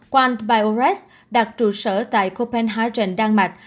quam biores đặt trụ sở tại copenhagen đan mạch